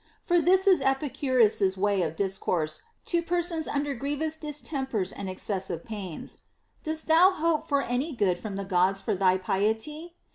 For this is Epicurus's way of discourse to per sons under grievous distempers and excessive pains. Dost thou hope for any good from the Gods for thy piety